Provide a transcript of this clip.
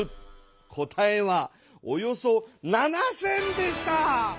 答えはおよそ７，０００でした。